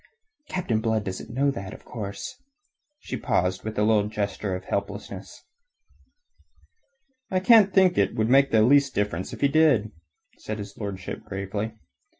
Captain Blood doesn't know that, of course...." She paused with a little gesture of helplessness. "I can't think that it would make the least difference if he did," said his lordship gravely.